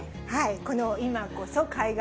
この今こそ海外！